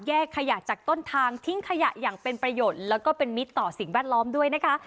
ขยะจากต้นทางทิ้งขยะอย่างเป็นประโยชน์แล้วก็เป็นมิตรต่อสิ่งแวดล้อมด้วยนะคะ